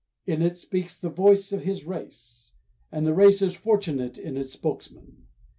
In it speaks the voice of his race; and the race is fortunate in its spokesman.